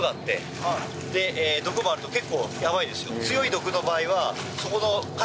毒もあると結構やばいですよ。